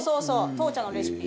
とーちゃんのレシピ。